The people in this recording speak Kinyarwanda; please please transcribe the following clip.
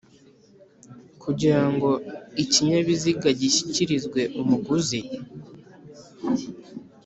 kugirango ikinyabiziga gishyikirizwe umuguzi.